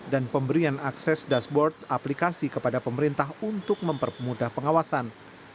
dan pemberian akses dashboard aplikasi kepada pemerintah untuk mempermudah pengawasan